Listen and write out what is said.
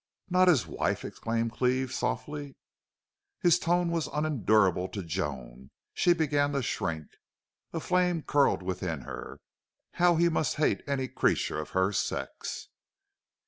"Not his wife!" exclaimed Cleve, softly. His tone was unendurable to Joan. She began to shrink. A flame curled within her. How he must hate any creature of her sex!